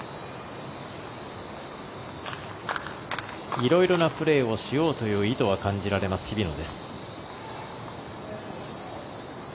いろいろなプレーをしようという意図は感じられる日比野。